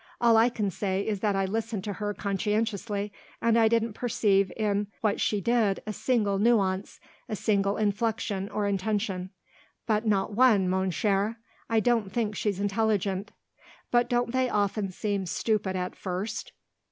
All I can say is that I listened to her conscientiously, and I didn't perceive in what she did a single nuance, a single inflexion or intention. But not one, mon cher. I don't think she's intelligent." "But don't they often seem stupid at first?"